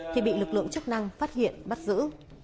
thì bị lực lượng chức năng phát hiện bắt giữ